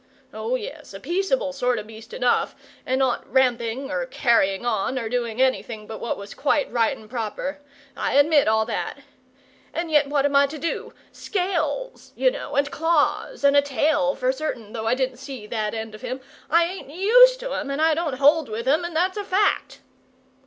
Oh, yes, a peaceable sort o' beast enough, and not ramping or carrying on or doing anything but what was quite right and proper. I admit all that. And yet, what am I to do? SCALES, you know, and claws, and a tail for certain, though I didn't see that end of him I ain't USED to 'em, and I don't HOLD with 'em, and that's a fact!"